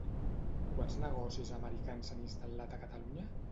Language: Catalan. Quants negocis americans s'han instal·lat a Catalunya?